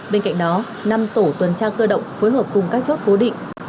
bên cạnh đó năm tổ tuần tra cơ động phối hợp cùng các chốt cố định